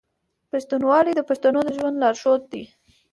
پښتونولي د پښتنو د ژوند لارښود دی.